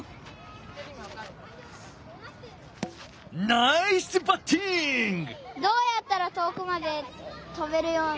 ナイスバッティング！